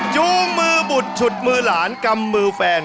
จูงมือบุดฉุดมือหลานกำมือแฟน